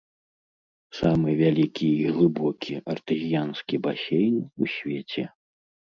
Самы вялікі і глыбокі артэзіянскі басейн у свеце.